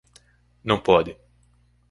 Não pode